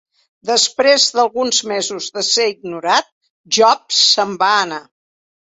Després d'alguns mesos de ser ignorat, Jobs se'n va anar.